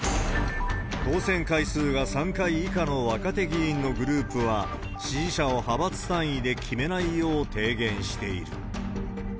当選回数が３回以下の若手議員のグループは、支持者を派閥単位で決めないよう提言している。